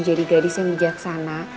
jadi gadis yang bijaksana